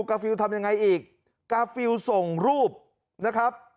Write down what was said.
ฟิลทำยังไงอีกกาฟิลส่งรูปนะครับ